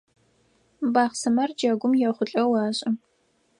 Бахъсымэр джэгум ехъулӏэу ашӏы.